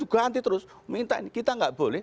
diganti terus minta ini kita gak boleh